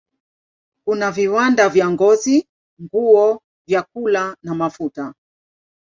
Kuna viwanda vya ngozi, nguo, vyakula na mafuta.